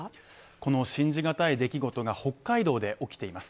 この信じがたい出来事が北海道で起きています。